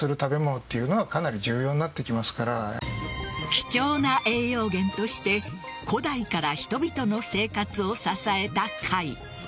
貴重な栄養源として古代から人々の生活を支えた貝。